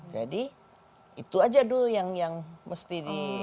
jadi itu aja dulu yang yang mesti di